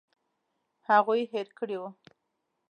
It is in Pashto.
هغوی یې هېر کړي وو.